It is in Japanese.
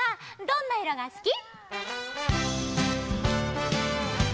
「どんないろがすき」「」